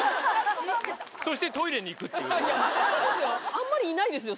あんまりいないですよ